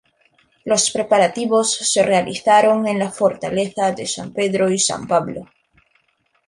Los preparativos se realizaron en la fortaleza de San Pedro y San Pablo.